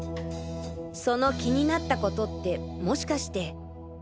その気になったコトってもしかして。